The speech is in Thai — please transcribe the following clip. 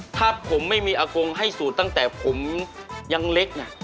ถ้าผมไม่มีอากงให้สูตรตั้งแต่ผมยังเล็กนะ